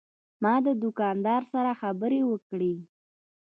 ما د دوکاندار سره خبرې وکړې.